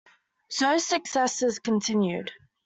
Zuo's successes continued.